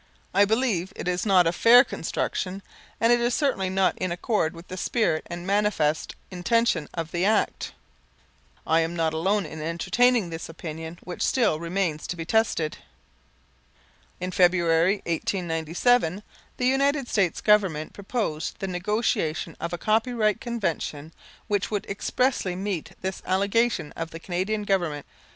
I believe it is not a fair construction and is certainly not in accord with the spirit and manifest intention of the Act. I am not alone in entertaining this opinion which still remains to be tested. In February, 1897, the United States Government proposed the negotiation of a Copyright Convention which would expressly meet this allegation of the Canadian Government.